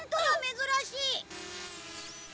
珍しい！